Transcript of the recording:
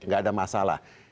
gak ada masalah